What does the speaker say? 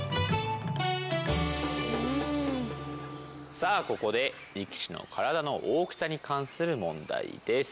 さあここで力士の体の大きさに関する問題です！